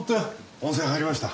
温泉入りました？